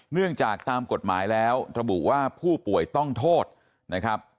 เนื่องจากตามกฎหมายแล้วระบุว่าผู้ป่วยต้องโทษนะครับ